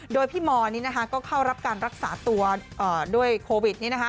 โดยพี่มก็เข้ารับการรักษาตัวด้วยโควิด